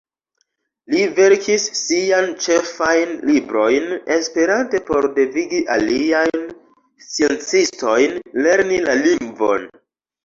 Li verkis sian ĉefajn librojn esperante por devigi aliajn sciencistojn lerni la lingvon.